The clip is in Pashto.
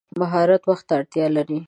مهارت وخت ته اړتیا لري.